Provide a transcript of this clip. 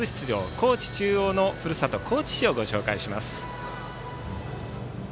高知中央の故郷高知市をご紹介します。